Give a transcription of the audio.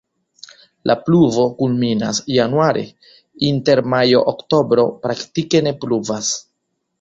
La pluvo kulminas januare, inter majo-oktobro praktike ne pluvas.